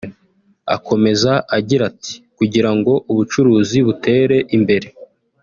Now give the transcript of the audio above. Akomeza agira ati “Kugira ngo ubucuruzi butere imbere